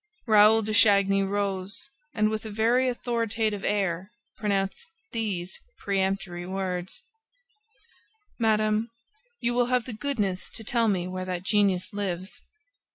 Raoul de Chagny rose and, with a very authoritative air, pronounced these peremptory words: "Madame, you will have the goodness to tell me where that genius lives."